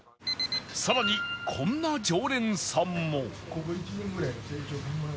さらにこんな常連さんも